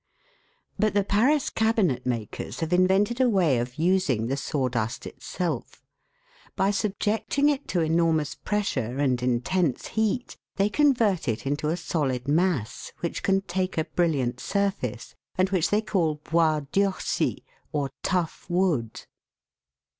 But the Paris cabinet makers have invented a way of using the sawdust itself. By subjecting it to enor mous pressure and intense heat they convert it into a solid mass, which can take a brilliant surface, and which they call bois durci, or tough wood.